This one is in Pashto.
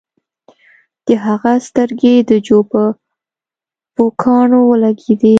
د هغه سترګې د جو په پوکاڼو ولګیدې